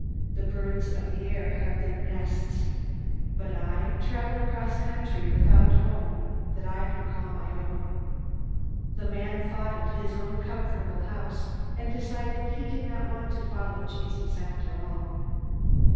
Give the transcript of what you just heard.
The birds of the air have their nests. But I travel across the country without a home that I can call my own." The man thought of his own comfortable house, and decided he did not want to follow Jesus after all.